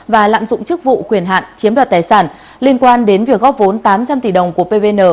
và lạm dụng chức vụ quyền hạn chiếm đoạt tài sản liên quan đến việc góp vốn tám trăm linh tỷ đồng của pvn